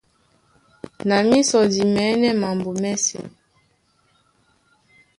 Na mísɔ di mɛ̌nɛ́ mambo mɛ́sɛ̄.